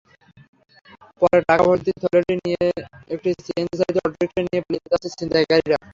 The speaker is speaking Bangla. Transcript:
পরে টাকাভর্তি থলেটি নিয়ে একটি সিএনজিচালিত অটোরিকশা নিয়ে পালিয়ে যায় ছিনতাইকারীরা।